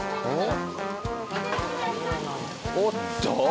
おっと？